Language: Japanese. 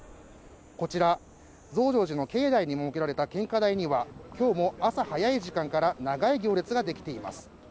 こちら増上寺の境内に設けられた献花台にはきょうも朝早い時間から長い行列ができています